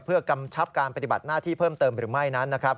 เพื่อกำชับการปฏิบัติหน้าที่เพิ่มเติมหรือไม่นั้นนะครับ